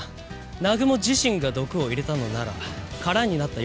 南雲自身が毒を入れたのなら空になった容器があったはず。